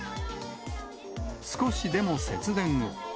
少しでも節電を。